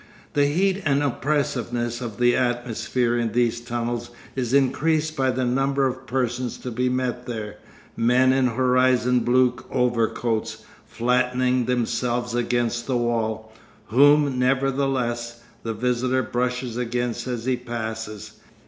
The heat and oppressiveness of the atmosphere in these tunnels is increased by the number of persons to be met there, men in horizon blue overcoats, flattening themselves against the wall, whom, nevertheless, the visitor brushes against as he passes.